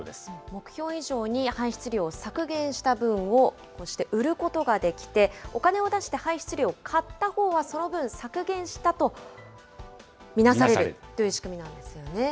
目標以上に排出量を削減した分をこうして売ることができて、お金を出して排出量を買ったほうは、その分、削減したと見なされるという仕組みなんですよね。